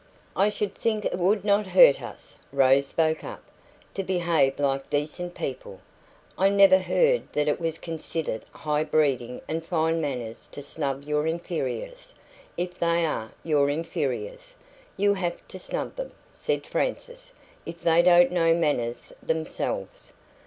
"I should think it would NOT hurt us," Rose spoke up, "to behave like decent people. I never heard that it was considered high breeding and fine manners to snub your inferiors if they are your inferiors." "You have to snub them," said Frances, "if they don't know manners themselves."